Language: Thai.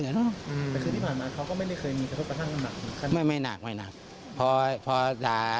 คือที่ผ่านมาเขาก็ไม่ได้เคยมีแค่โดยผ่านมา